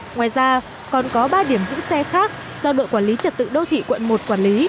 ngoài ra còn có ba điểm giữ xe khác do đội quản lý trật tự đô thị quận một quản lý